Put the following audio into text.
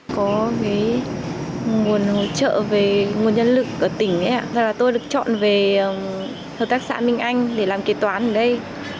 có nguồn hỗ trợ về nguồn nhân lực ở tỉnh tôi được chọn về hợp tác xã minh anh để làm kế toán ở đây